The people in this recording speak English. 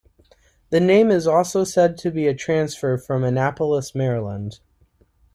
The name is also said to be a transfer from Annapolis, Maryland.